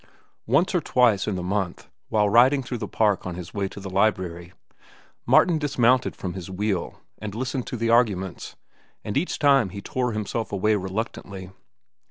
Once or twice in the month, while riding through the park on his way to the library, Martin dismounted from his wheel and listened to the arguments, and each time he tore himself away reluctantly.